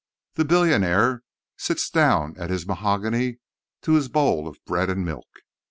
The billionaire sits down at his mahogany to his bowl of bread and milk.